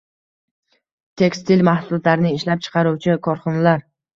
Tekstil mahsulotlarini ishlab chiqaruvchi korxonalar